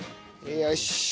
よし。